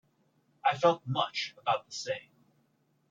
I felt much about the same.